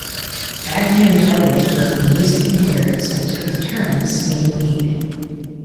Agnew and Elliott wrote the music and lyrics and took turns singing lead.